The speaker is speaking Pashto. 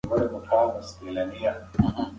ټولنیز چلند یوازې په فردي خوښه نه بدلېږي.